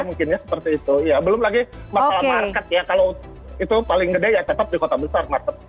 mungkin ya seperti itu ya belum lagi masalah market ya kalau itu paling gede ya tetap di kota besar market